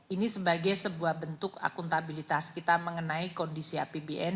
ini sebagai sebuah bentuk akuntabilitas kita mengenai kondisi apbn